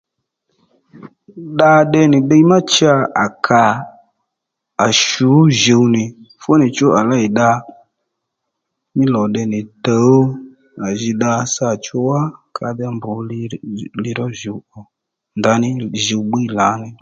Dda tde nì ddiy má cha à kà à shǔ jǔw nì fú nì chú à lêy dda mí lò tde nì tǔw à ji dda sâ chú wá ka déy mbr li ró djùw ò ndaní djùw bbiy lǎní